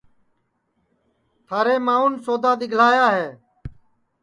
تھارے ماںٚون سودا گِھلایا ہے